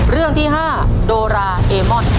เรื่องที่๕โดราเอมอน